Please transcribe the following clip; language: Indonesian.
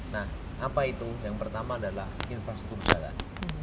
nah apa itu yang pertama adalah infrastruktur jalan